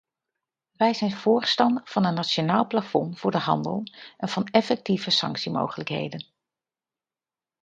Wij zijn voorstander van een nationaal plafond voor de handel en van effectieve sanctiemogelijkheden.